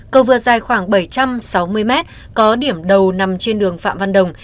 cầu vượt dài khoảng bảy trăm sáu mươi m có điểm đầu nằm trên đường phạm văn đồng